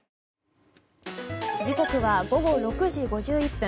時刻は午後６時５１分。